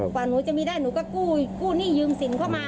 กว่าหนูจะมีได้หนูก็กู้หนี้ยืมสินเข้ามา